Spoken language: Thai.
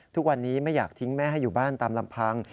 ทุกวันนี้ไม่อยากทิ้งแม่ให้อยู่บ้านตามลำพัง